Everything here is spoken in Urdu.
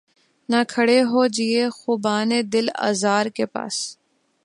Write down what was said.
نہ کھڑے ہوجیے خُوبانِ دل آزار کے پاس